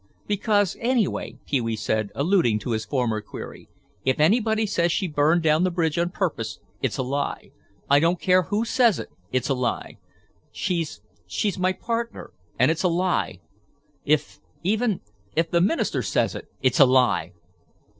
"Because, anyway," Pee wee said, alluding to his former query, "if anybody says she burned down the bridge on purpose it's a lie. I don't care who says it, it's a lie. She's—she's my partner—and it's a lie. If—even—if the minister says it, it's a lie!"